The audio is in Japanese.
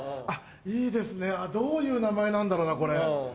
いいですねどういう名前なんだろなこれ。